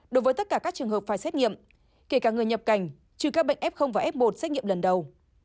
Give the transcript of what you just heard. đối với tất cả các trường hợp phải xét nghiệm kể cả người nhập cảnh trừ các bệnh f và f một xét nghiệm lần đầu